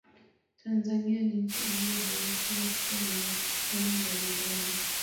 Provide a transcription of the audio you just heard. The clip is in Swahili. tanzania ni nchi iliyobarikiwa kuwa na wanyama mbalimbali